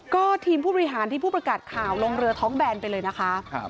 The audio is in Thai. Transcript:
ก็ทีมผู้บริหารที่ผู้ประกาศข่าวลงเรือท้องแบนไปเลยนะคะ